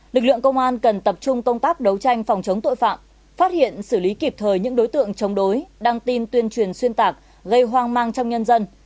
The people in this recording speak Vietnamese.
lực lượng công an cần tập trung công tác đấu tranh phòng chống tội phạm phát hiện xử lý kịp thời những đối tượng chống đối đăng tin tuyên truyền xuyên tạc gây hoang mang trong nhân dân